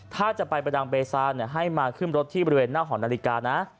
ถ้าจะไปประดังเบซาให้มาขึ้นรถที่บริเวณหน้าหอนาฬิกานะ